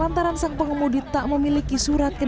lantaran sang pengemudi tak memiliki surat keterangan